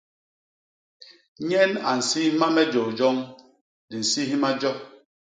Nyen a nsimha me jôl joñ; di nsimha jo.